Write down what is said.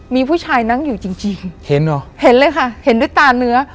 มีผู้ชายนั่งอยู่จริงจริงเห็นเหรอเห็นเลยค่ะเห็นด้วยตาเนื้อ